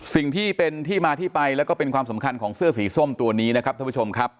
สิ่งที่เป็นที่มาที่ไปแล้วก็เป็นความสำคัญของเสื้อสีส้มตัวนี้นะครับท่านผู้ชมครับ